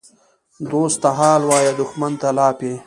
دوست ته حال وایه، دښمن ته لاپې.